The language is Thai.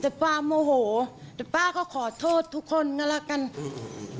แต่ป้าโมโหแต่ป้าก็ขอโทษทุกคนก็แล้วกันอืม